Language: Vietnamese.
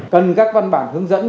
cần các văn bản hướng dẫn